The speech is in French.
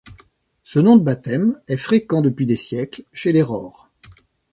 Ce nom de baptême est fréquent depuis des siècles chez les Rohr.